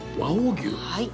はい。